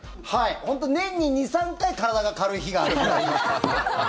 本当、年に２３回体が軽い日があるみたいな。